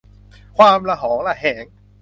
ความระหองระแหง